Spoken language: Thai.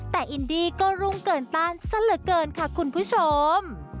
แต่อินดี้ก็รุ่งเกินต้านซะเหลือเกินค่ะคุณผู้ชม